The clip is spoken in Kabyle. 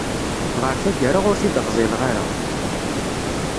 Ɣer tagara ur t-id-ɣḍileɣ ara.